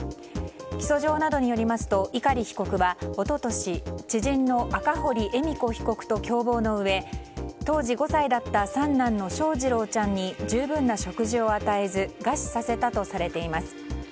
起訴状などによりますと碇被告は一昨年、知人の赤堀恵美子被告と共謀のうえ、当時５歳だった三男の翔士郎ちゃんに十分な食事を与えず餓死させたとされています。